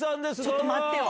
ちょっと待ってよ！